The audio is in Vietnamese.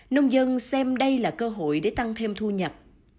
nông dân xem đây là cơ hội để tăng thêm thu nhập